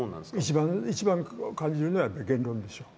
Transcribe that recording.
一番感じるのはやっぱり言論でしょう。